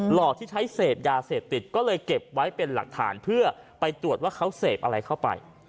หลอกที่ใช้เสพยาเสพติดก็เลยเก็บไว้เป็นหลักฐานเพื่อไปตรวจว่าเขาเสพอะไรเข้าไป